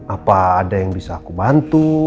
apa ada yang bisa aku bantu